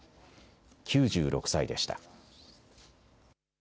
９６歳でした。